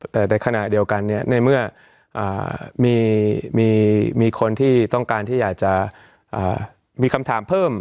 แต่ในขณะเดียวกันในเมื่อมีคนที่ต้องการที่อยากจะมีคำถามเพิ่ม